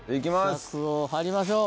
支索を張りましょう。